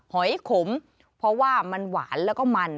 หอยขมเพราะว่ามันหวานแล้วก็มัน